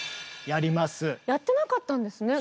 やってなかったんですね。